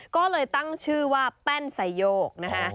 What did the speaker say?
ก็เลยตั้งชื่อว่าแป้นไซโยกนะคะ